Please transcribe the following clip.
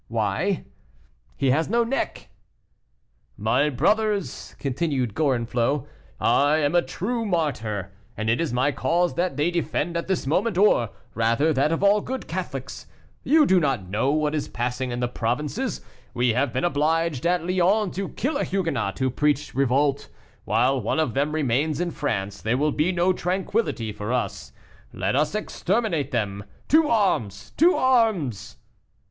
"Why?" "He has no neck." "My brothers," continued Gorenflot: "I am a true martyr, and it is my cause that they defend at this moment or, rather, that of all good Catholics. You do not know what is passing in the provinces, we have been obliged at Lyons to kill a Huguenot who preached revolt. While one of them remains in France, there will be no tranquillity for us. Let us exterminate them. To arms! to arms!"